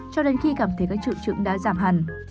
cho đến khi cảm thấy các trực trựng đã giảm hẳn